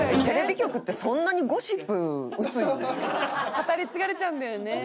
語り継がれちゃうんだよね。